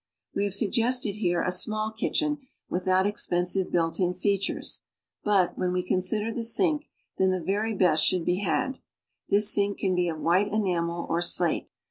We have suggested here a small kitchen without expensive built in features, but, when we consider the sink, then the very best should l»e had. This sink can Ije of whiter enamel or slate.